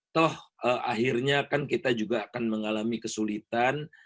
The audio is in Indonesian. toh akhirnya kan kita juga akan mengalami kesulitan